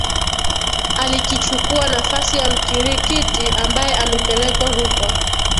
alikichukua nafasi ya Mkirikiti ambaye amepelekwa Rukwa